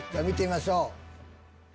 見てみましょう。